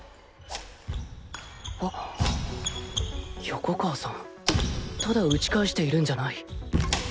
横川さんただ打ち返しているんじゃない。